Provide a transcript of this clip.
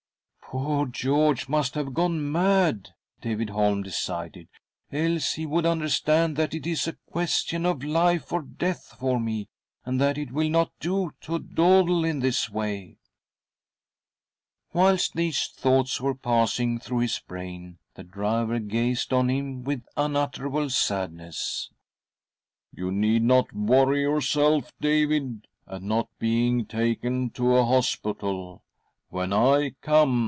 " Poor Georga must have gone mad," David Holm decided, " else he would understand that it is a question ol life or death for me, and that it will not do to dawdle in this' way/' Whilst these thoughts were passing through his brain, the driver gazed : on him with unutterable sadness. "You need not worry ■ yourself , David, at not being taken to. a hospital. When I •come